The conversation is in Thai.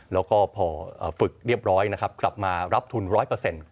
แล้วก็พอฝึกเรียบร้อยกลับมารับทุน๑๐๐